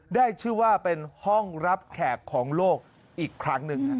ได้ชื่อว่าเป็นห้องรับแขกของโลกอีกครั้งหนึ่ง